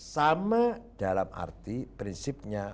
sama dalam arti prinsipnya